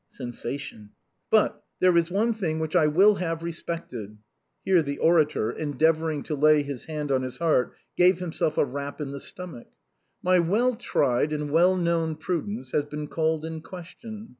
[Sensation.'] But there is one thing which I will have respected. [Here the orator, endeavoring to lay his hand on his heart, gave himself a rap in the stomach.] My well tried and well known prudence has been called in question.